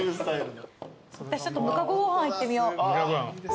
私ちょっとむかごご飯いってみよう。